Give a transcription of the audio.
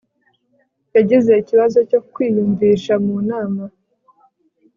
yagize ikibazo cyo kwiyumvisha mu nama